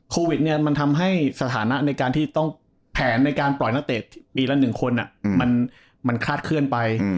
โควิดเนี่ยมันทำให้สถานะในการที่ต้องแผนในการปล่อยนักเตะปีละ๑คนมันคลาดเคลื่อนไป